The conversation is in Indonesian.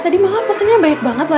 tadi mama pesannya baik banget loh